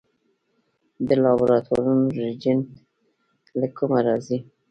د لابراتوارونو ریجنټ له کومه راځي؟